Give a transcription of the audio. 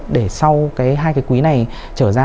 để sau cái hai cái quý này trở ra